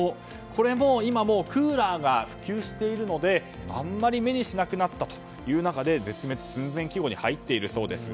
これは今、もうクーラーが普及しているのであんまり目にしなくなったという中で絶滅寸前季語に入っているそうです。